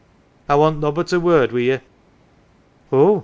" I want nobbut a word wi' ye."" " Oh